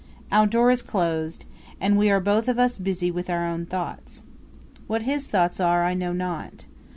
Our door is closed, and we are both of us busy with our own thoughts. What his thoughts are I know not.